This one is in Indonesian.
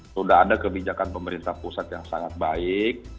sudah ada kebijakan pemerintah pusat yang sangat baik